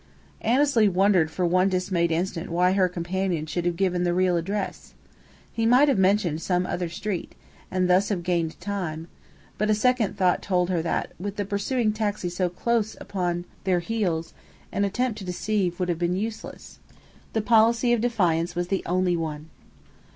Annesley wondered for one dismayed instant why her companion should have given the real address. He might have mentioned some other street, and thus have gained time; but a second thought told her that, with the pursuing taxi so close upon their heels, an attempt to deceive would have been useless. The policy of defiance was the only one.